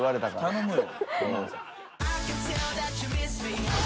頼むよ。